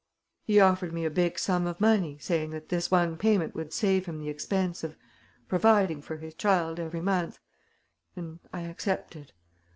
He offered me a big sum of money, saying that this one payment would save him the expense of providing for his child every month; and I accepted.